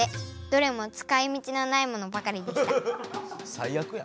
最悪や。